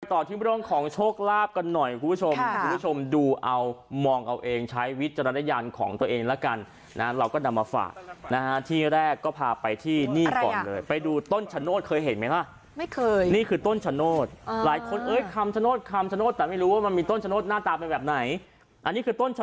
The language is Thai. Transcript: ต่อที่เรื่องของโชคลาภกันหน่อยคุณผู้ชมคุณผู้ชมดูเอามองเอาเองใช้วิจารณญาณของตัวเองแล้วกันนะเราก็นำมาฝากนะฮะที่แรกก็พาไปที่นี่ก่อนเลยไปดูต้นชะโนธเคยเห็นไหมล่ะไม่เคยนี่คือต้นชะโนธหลายคนเอ้ยคำชโนธคำชโนธแต่ไม่รู้ว่ามันมีต้นชะโนธหน้าตาเป็นแบบไหนอันนี้คือต้น